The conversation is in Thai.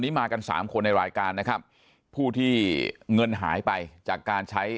มากันสามคนในรายการนะครับผู้ที่เงินหายไปจากการใช้